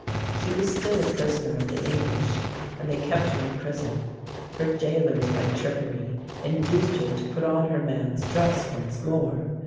She was still a prisoner of the English, and they kept her in prison. Her jailers by trickery induced her to put on her man's dress once more.